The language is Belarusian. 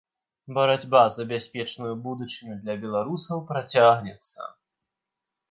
Барацьба за бяспечную будучыню для беларусаў працягнецца.